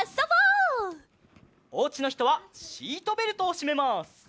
おうちのひとはシートベルトをしめます。